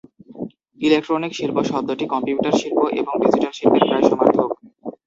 "Electronic শিল্প" শব্দটি computer শিল্প এবং ডিজিটাল শিল্পের প্রায় সমার্থক।